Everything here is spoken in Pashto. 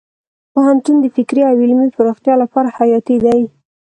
پوهنتون د فکري او علمي پراختیا لپاره حیاتي دی.